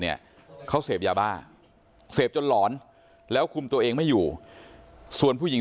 เนี่ยเขาเสพยาบ้าเสพจนหลอนแล้วคุมตัวเองไม่อยู่ส่วนผู้หญิง